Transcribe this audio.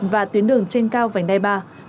và tuyến đường trên cao vành đai ba